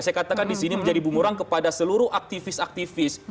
saya katakan di sini menjadi bumuran kepada seluruh aktivis aktivis